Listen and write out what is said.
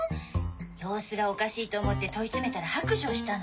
様子がおかしいと思って問い詰めたら白状したの。